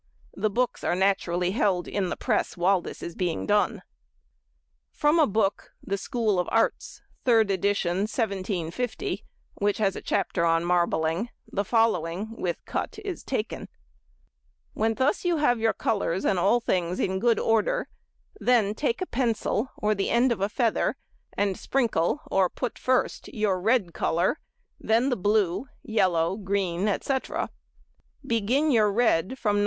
The books are naturally held in the press whilst this is being done. |76| [Illustration: Cut from Book "School of Arts," 1750.] From a book, the "School of Arts," third edition, 1750, which has a chapter on marbling, the following, with cut, is taken:— "When thus you have your colours and all things in good order, then take a pencil, or the end of a feather, and sprinkle or put first your red colour; then the blue, yellow, green, etc. Begin your red from No.